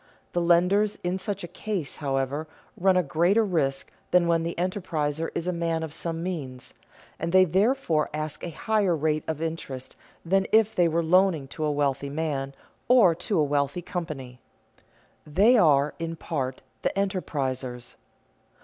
The lenders in such a case, however, run a greater risk than when the enterpriser is a man of some means, and they therefore ask a higher rate of interest than if they were loaning to a wealthy man or to a wealthy company. They are in part the enterprisers.